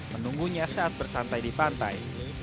menunggunya saat bersantai di pantai